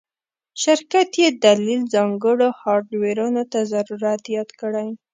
شرکت یی دلیل ځانګړو هارډویرونو ته ضرورت یاد کړی